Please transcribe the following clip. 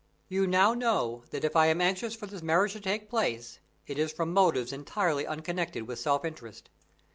You now know that if I am anxious for this marriage to take place, it is from motives entirely unconnected with self interest.